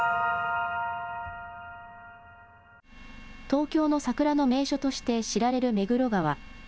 東京の桜の名所として知られる目黒川。